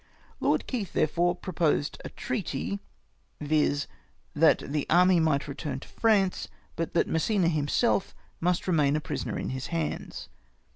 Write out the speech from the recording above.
Lord Keith, therefore, proposed a treaty, viz. that the army might return to France, but that Massena himself must remain a prisoner in his hands.